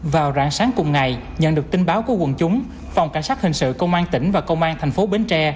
vào rạng sáng cùng ngày nhận được tin báo của quần chúng phòng cảnh sát hình sự công an tỉnh và công an thành phố bến tre